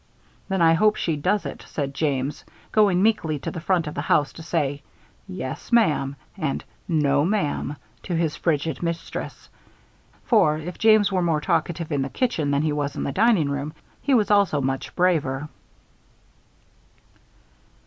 "Then I hope she does it," said James, going meekly to the front of the house to say "Yes, ma'am" and "No, ma'am" to his frigid mistress. For if James were more talkative in the kitchen than he was in the dining room he was also much braver.